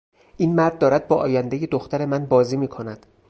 این مرد دارد با آیندهی دختر من بازی میکند.